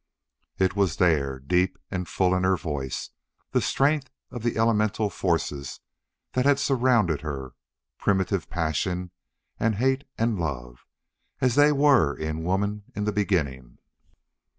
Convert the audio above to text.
It was there, deep and full in her voice, the strength of the elemental forces that had surrounded her, primitive passion and hate and love, as they were in woman in the beginning.